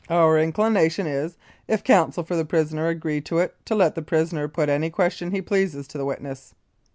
Our inclination is, if counsel for the prisoner agree to it, to let the prisoner put any questions he pleases to the witness.